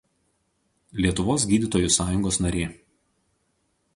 Lietuvos gydytojų sąjungos narė.